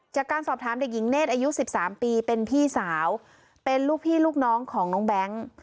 จากการสอบถามเด็กหญิงเนธอายุ๑๓ปีเป็นพี่สาวเป็นลูกพี่ลูกน้องของน้องแบงค์